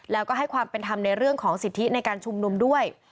แล้วก็ให้ความเป็นธรรมในเรื่องของสิทธิในการชุมนุมด้วย